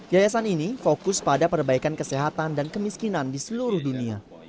yayasan ini fokus pada perbaikan kesehatan dan kemiskinan di seluruh dunia